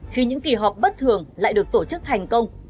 khi những kỳ họp bất thường lại được tổ chức thành công